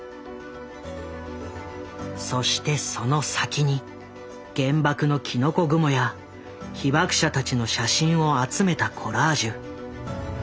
そしてその先に原爆のきのこ雲や被爆者たちの写真を集めたコラージュ。